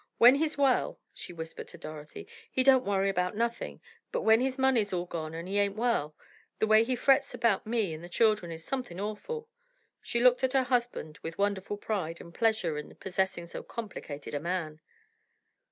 When he's well," she whispered to Dorothy, "he don't worry about nothin'; but when his money's all gone and he ain't well, the way he frets about me and the children is somethin' awful!" She looked at her husband with wonderful pride and pleasure in possessing so complicated a man.